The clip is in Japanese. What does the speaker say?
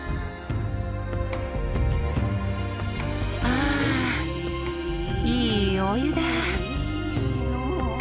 あいいお湯だ。